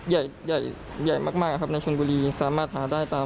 ใหญ่ใหญ่มากครับในชนบุรีสามารถหาได้ตาม